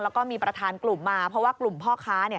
แล้วก็มีประธานกลุ่มมาเพราะว่ากลุ่มพ่อค้า